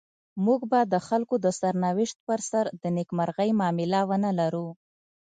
موږ به د خلکو د سرنوشت پر سر د نيکمرغۍ معامله ونلرو.